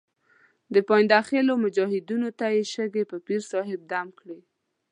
د پاینده خېلو مجاهدینو ته یې شګې په پیر صاحب دم کړې.